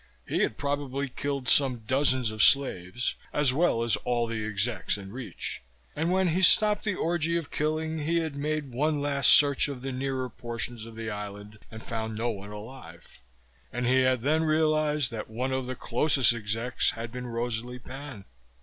He had probably killed some dozens of slaves, as well as all the execs in reach. And when he stopped the orgy of killing he had made one last search of the nearer portions of the island and found no one alive, and he had then realized that one of the closest execs had been Rosalie Pan.